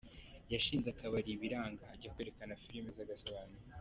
Yashinze akabari biranga, ajya kwerekana filime za ’Agasobanuye’.